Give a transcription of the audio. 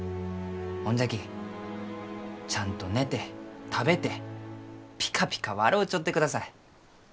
ほんじゃきちゃんと寝て食べてピカピカ笑うちょってください。